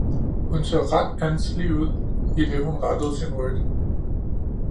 Hun så ret anselig ud, idet hun rettede sin ryg